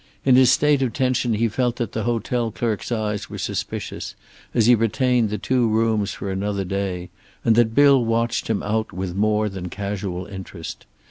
In his state of tension he felt that the hotel clerk's eyes were suspicious as he retained the two rooms for another day, and that Bill watched him out with more than casual interest.